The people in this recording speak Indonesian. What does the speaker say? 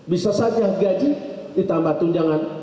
bisa saja gaji ditambah tunjangan